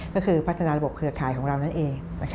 ก็คือพัฒนาระบบเครือข่ายของเรานั่นเอง